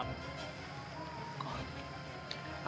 pak pak pak